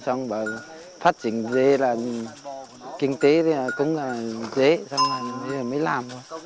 xong rồi phát triển dây là kinh tế cũng dây xong rồi mới làm